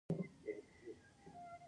زراعت د افغانانو د ژوند طرز اغېزمنوي.